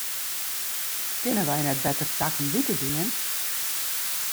Kinne wy net better takom wike gean?